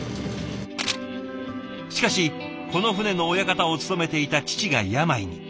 しかしこの船の親方を務めていた父が病に。